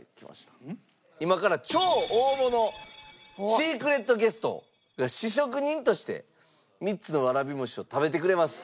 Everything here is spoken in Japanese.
今から超大物シークレットゲストが試食人として３つのわらび餅を食べてくれます。